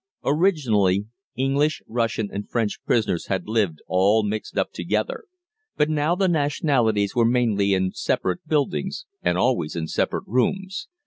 Originally English, Russian, and French prisoners had lived all mixed up together, but now the nationalities were mainly in separate buildings, and always in separate rooms.